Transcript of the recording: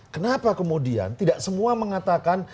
kenapa kemudian tidak semua mengatakan